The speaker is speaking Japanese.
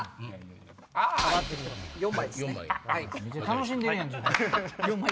楽しんでるやん自分。